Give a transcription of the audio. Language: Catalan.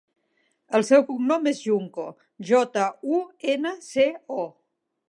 El seu cognom és Junco: jota, u, ena, ce, o.